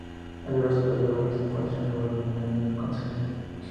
El reverso de la barra se encuentra grabado con el año de su concesión.